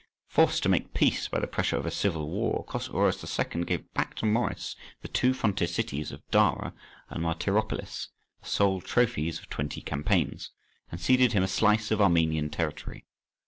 Forced to make peace by the pressure of a civil war, Chosroës II. gave back to Maurice the two frontier cities of Dara and Martyropolis, the sole trophies of twenty campaigns, and ceded him a slice of Armenian territory.